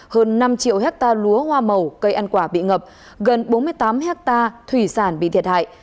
hơn năm triệu hectare lúa hoa màu cây ăn quả bị ngập gần bốn mươi tám hectare thủy sản bị thiệt hại